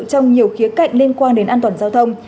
trong nhiều khía cạnh liên quan đến an toàn giao thông